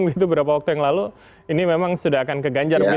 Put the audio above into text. begitu beberapa waktu yang lalu ini memang sudah akan ke ganjar begitu